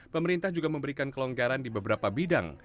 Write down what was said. pemerintah juga memberikan kelonggaran di beberapa bidang